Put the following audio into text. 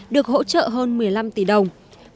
được hỗ trợ hơn một mươi năm tỷ đồng